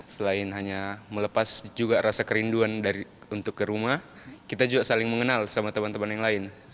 selain hanya melepas juga rasa kerinduan untuk ke rumah kita juga saling mengenal sama teman teman yang lain